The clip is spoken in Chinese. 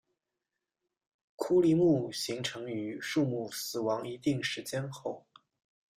枯立木形成于树木死亡一定时间后。